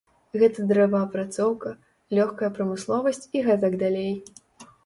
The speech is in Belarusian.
Гэта дрэваапрацоўка, лёгкая прамысловасць і гэтак далей.